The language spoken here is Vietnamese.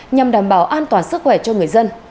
nhằm đảm bảo an toàn sức khỏe cho người dân